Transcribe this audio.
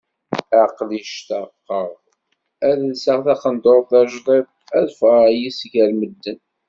Aql-i ctaqeɣ ad lseɣ taqendurt tajdidt ad ffɣeɣ yis-s gar medden.